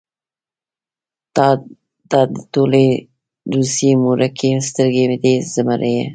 تاته د ټولې روسيې مورکۍ سترګې دي زمريه.